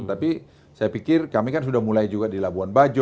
tapi saya pikir kami kan sudah mulai juga di labuan bajo